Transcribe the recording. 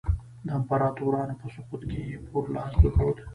د امپراتورانو په سقوط کې یې پوره لاس درلود.